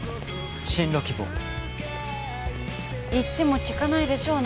進路希望言っても聞かないでしょう